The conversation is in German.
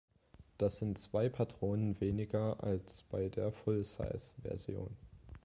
Das sind zwei Patronen weniger als bei der Full-Size-Version.